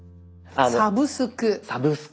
「サブスク」。